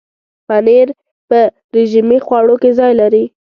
پنېر په رژیمي خواړو کې ځای لري.